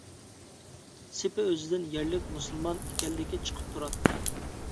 سېپى ئۆزىدىن يەرلىك مۇسۇلمان ئىكەنلىكى چىقىپ تۇراتتى.